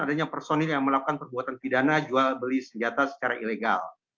adanya personil yang melakukan perbuatan pidana jual beli senjata secara ilegal